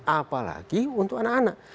apalagi untuk anak anak